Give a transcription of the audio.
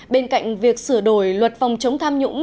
bên cạnh việc sửa đổi luật phòng chống tham nhũng